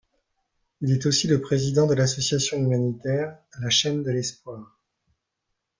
Il est aussi le président de l'association humanitaire La Chaîne de l'espoir.